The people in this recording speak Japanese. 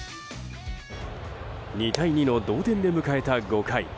２対２の同点で迎えた５回。